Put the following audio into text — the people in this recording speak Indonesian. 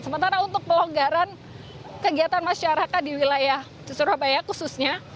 sementara untuk pelonggaran kegiatan masyarakat di wilayah surabaya khususnya